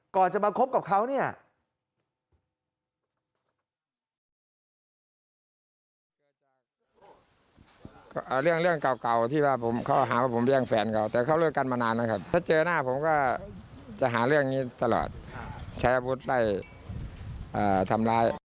ก่อนจะมาคบกับเขา